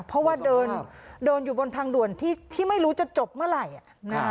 เพราะว่าเดินอยู่บนทางด่วนที่ไม่รู้จะจบเมื่อไหร่